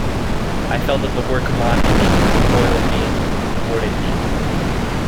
I felt that the work mocked me, foiled me, thwarted me.